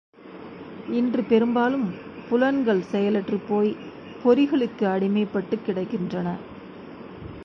இன்று பெரும்பாலும் புலன்கள் செயலற்றுப்போய்ப் பொறிகளுக்கு அடிமைப்பட்டுக் கிடக்கின்றன.